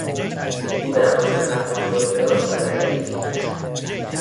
او درخواست ختم مذاکرات و رایگیری کرد.